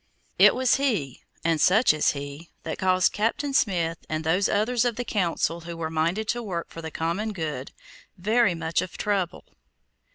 It was he, and such as he, that caused Captain Smith and those others of the Council who were minded to work for the common good, very much of trouble.